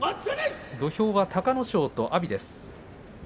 土俵、隆の勝と阿炎です。